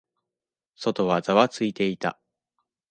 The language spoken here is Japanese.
外はざわついていた。